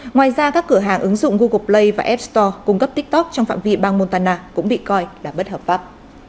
ngoài ra các cửa hàng ứng dụng google play và app store cung cấp tiktok trong phạm vi bang montana cũng bị coi là bất hợp pháp